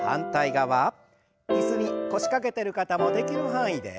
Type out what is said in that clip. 椅子に腰掛けてる方もできる範囲で。